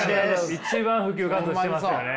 一番普及活動してますよね。